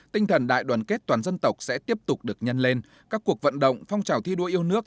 tinh thần đại đoàn kết toàn dân tộc sẽ tiếp tục được nhân lên các cuộc vận động phong trào thi đua yêu nước